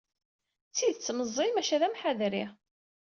D tidet meẓẓiy, maca d amḥadri.